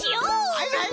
はいはい！